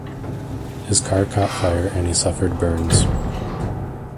His car caught fire and he suffered burns.